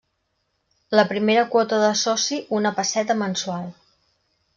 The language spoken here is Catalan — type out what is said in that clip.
La primera quota de soci: una pesseta mensual.